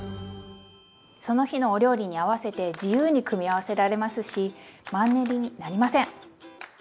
その日のお料理に合わせて自由に組み合わせられますしマンネリになりません！